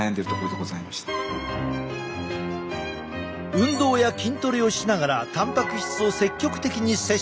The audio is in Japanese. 運動や筋トレをしながらたんぱく質を積極的に摂取。